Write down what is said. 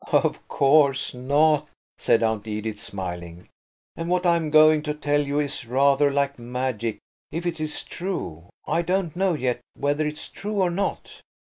"Of course not," said Aunt Edith, smiling; "and what I'm going to tell you is rather like magic–if it's true. I don't know yet whether it's true or not."